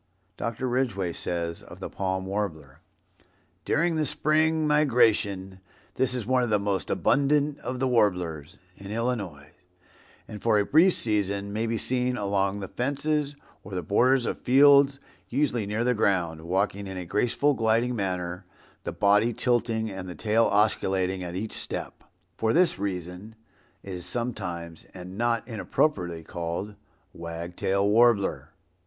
Dr. Ridgway says of the Palm Warbler, "During the spring migration this is one of the most abundant of the warblers," in Illinois, "and for a brief season may be seen along the fences, or the borders of fields, usually near the ground, walking in a graceful, gliding manner, the body tilting and the tail oscillating at each step. For this reason it is sometimes, and not inappropriately called Wag Tail Warbler."